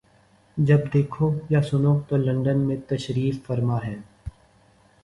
جب دیکھو یا سنو تو لندن میں تشریف فرما ہیں۔